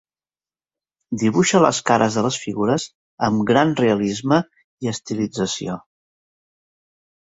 Dibuixa les cares de les figures amb gran realisme i estilització.